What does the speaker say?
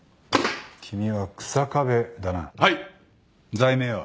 罪名は？